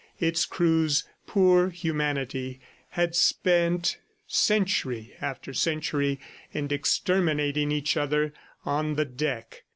Its crews poor humanity had spent century after century in exterminating each other on the deck.